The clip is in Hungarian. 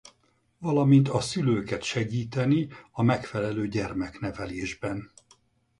Valamint A szülőket segíteni a megfelelő gyermeknevelésben.